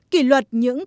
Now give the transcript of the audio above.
kỷ luật những